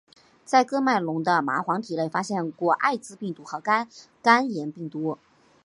在喀麦隆的蚂蟥体内发现过艾滋病毒和肝炎病毒。